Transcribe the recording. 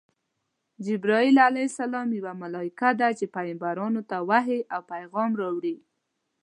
جبراییل ع یوه ملایکه ده چی پیغمبرانو ته وحی او پیغام راوړي.